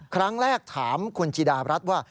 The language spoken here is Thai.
ครั้งแรกถามคุณจิดารัฐว่า